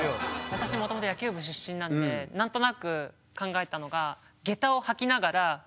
私もともと野球部出身なんでなんとなく考えたのがあ